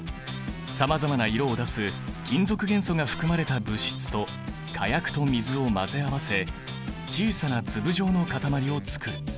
さまざまな色を出す金属元素が含まれた物質と火薬と水を混ぜ合わせ小さな粒状の固まりをつくる。